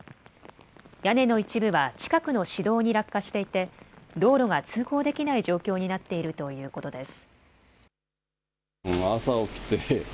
屋根の一部は近くの市道に落下していて、道路が通行できない状況になっているということです。